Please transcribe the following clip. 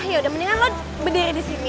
ya udah mendingan lo berdiri disini